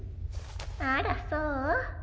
あらそう？